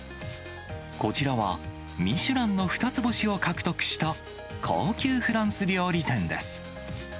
こちらはミシュランの２つ星を獲得した高級フランス料理店です。